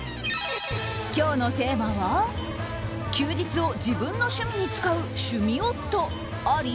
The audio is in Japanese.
今日のテーマは休日を自分の趣味に使う趣味夫あり？